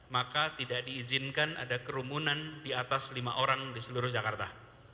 maka tidak diizinkan ada kerumunan di atas lima orang di seluruh jakarta